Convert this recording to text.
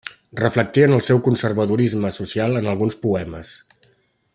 Reflectí el seu conservadorisme social en alguns poemes.